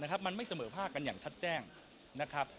มันไม่เสมอภาคกันอย่างชัดแจ้งนะครับ